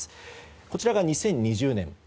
こちらが２０２０年。